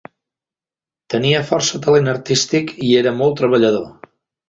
Tenia força talent artístic i era molt treballador.